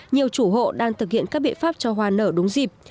nhiều chủ hộ đang thực hiện các biện pháp cho hoa nở đúng dịp